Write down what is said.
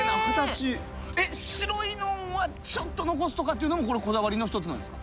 白いのはちょっと残すとかっていうのもこれこだわりの一つなんですか？